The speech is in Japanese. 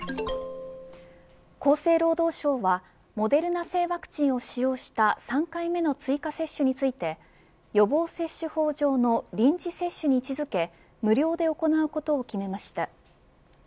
厚生労働省はモデルナ製ワクチンを使用した３回目の追加接種について予防接種法上の臨時接種に位置付け無料で行うことを決めました。